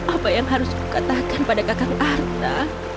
apa yang harus kukatakan pada kakak arta